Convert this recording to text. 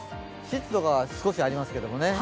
湿度が少しありますけどね。